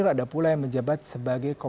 sampai jumpa lagi